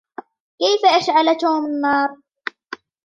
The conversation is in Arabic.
كيف أشعل توم النار ؟